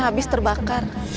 sampai jumpa lagi om